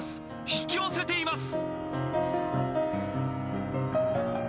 引き寄せています。